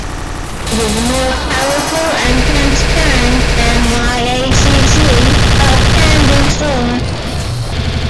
It is more powerful and transparent than Yacc but can be slower.